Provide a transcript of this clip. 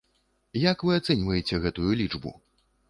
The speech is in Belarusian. Як вы ацэньваеце гэтую лічбу?